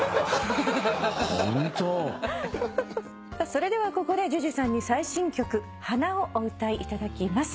それではここでＪＵＪＵさんに最新曲『花』をお歌いいただきます。